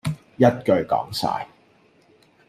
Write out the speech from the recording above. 一句講曬